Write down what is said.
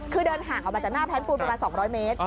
คือเดินห่างออกมาจากหน้าแพ้นปูนประมาณ๒๐๐เมตร